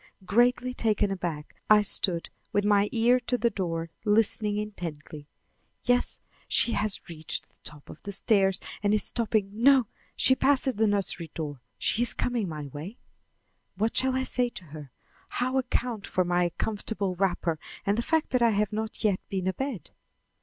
Greatly taken aback, I stood with my ear to the door, listening intently. Yes, she has reached the top of the stairs and is stopping no, she passes the nursery door, she is coming my way. What shall I say to her, how account for my comfortable wrapper and the fact that I have not yet been abed?